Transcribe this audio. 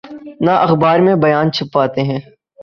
نہ اخبار میں بیان چھپواتے ہیں۔